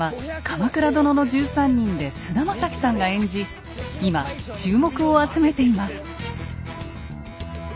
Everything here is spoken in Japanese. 「鎌倉殿の１３人」で菅田将暉さんが演じ今注目を集めています。